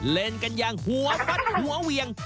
เล่นกันอย่างหัวฟัดหัวเวียง